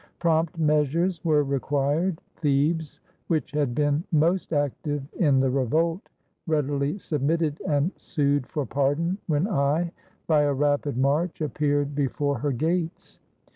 Prompt measures were required. Thebes, which had been most active in the revolt, readily submitted and sued for pardon when I, by a rapid march, appeared before her gates.